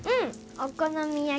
お好み焼き。